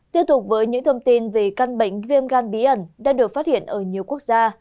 tiếp tục với những thông tin về căn bệnh viêm gan bí ẩn đã được phát hiện ở nhiều quốc gia